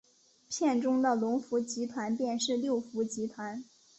片中的龙福集团便是六福集团。